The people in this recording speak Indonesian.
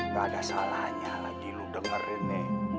nggak ada salahnya lagi lo dengerin nih